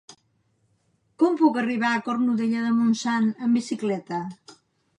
Com puc arribar a Cornudella de Montsant amb bicicleta?